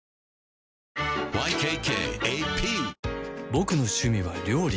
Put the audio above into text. ボクの趣味は料理